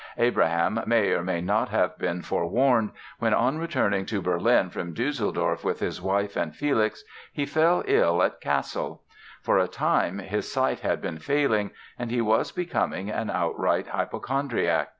Abraham may or may not have been forewarned when, on returning to Berlin from Düsseldorf with his wife and Felix, he fell ill at Cassel. For a time his sight had been failing and he was becoming an outright hypochondriac.